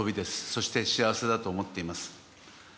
そして、幸せだと思っています。